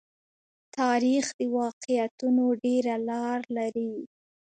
تاریخ د واقعیتونو ډېره لار لري.